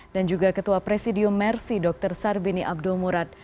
dan juga ketua presidium mersi dr sarbini abdul murad